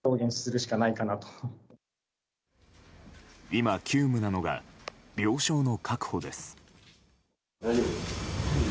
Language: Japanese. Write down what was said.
今、急務なのが病床の確保です。